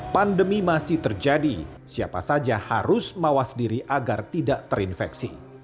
pandemi masih terjadi siapa saja harus mawas diri agar tidak terinfeksi